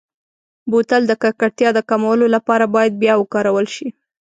بوتل د ککړتیا د کمولو لپاره باید بیا وکارول شي.